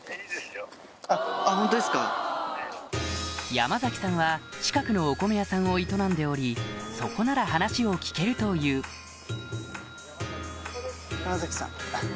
山さんは近くのお米屋さんを営んでおりそこなら話を聞けるという山さん。